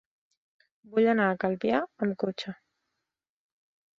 Vull anar a Calvià amb cotxe.